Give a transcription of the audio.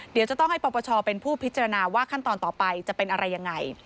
เดี๋ยวจะต้องให้ปปชเป็นผู้พิจารณาว่าขั้นตอนต่อไปจะเป็นอะไรยังไง